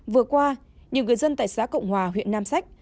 vừa qua nhiều người dân tại xã cộng hòa huyện nam sách